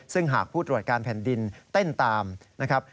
ซึ่งหากผู้ตรวจการแผ่นดินเต้นตามนะครับ